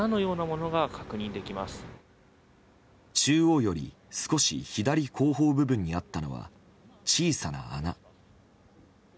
中央より少し左後方部分にあったのは小さな穴。